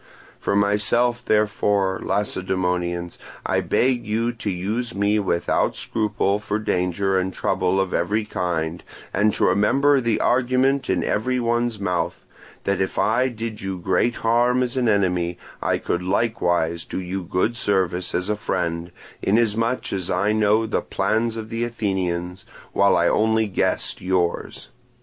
For myself, therefore, Lacedaemonians, I beg you to use me without scruple for danger and trouble of every kind, and to remember the argument in every one's mouth, that if I did you great harm as an enemy, I could likewise do you good service as a friend, inasmuch as I know the plans of the Athenians, while I only guessed yours.